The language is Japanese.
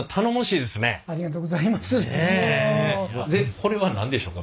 これは何でしょうか？